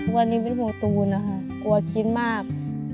วันนี้เป็นห่วงตูนนะคะกลัวคิดมาก